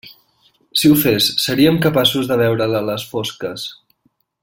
Si ho fes, seríem capaços de veure-la a les fosques.